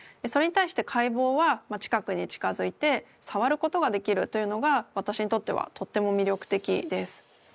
それに対して解剖は近くに近づいてさわることができるというのが私にとってはとっても魅力的です。